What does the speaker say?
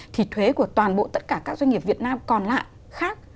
thì thuế của toàn bộ tất cả các doanh nghiệp việt nam còn lại khác